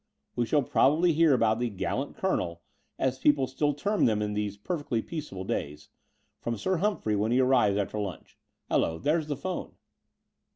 We shall probably hear about the gallant colonel, as people still term them in these perfectly peaceable days, from Sir Humphrey when he arrives after lunch. Hallo, there's the 'phone."